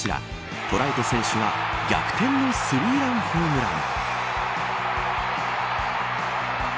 トラウト選手が逆転のスリーランホームラン。